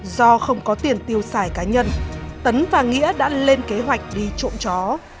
do không có tiền tiêu xài cá nhân tấn và nghĩa đã lên kế hoạch đi trộm chó